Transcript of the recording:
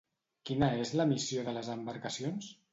Quina és la missió de les embarcacions?